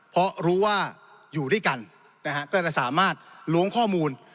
เพราะรู้ว่าอยู่ด้วยกันนะฮะก็จะสามารถล้วงข้อมูล